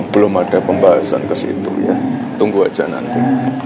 belum ada pembahasan ke situ ya tunggu aja nanti